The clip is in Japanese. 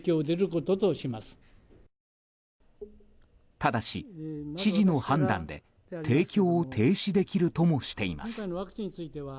ただし、知事の判断で提供を停止できるともしています。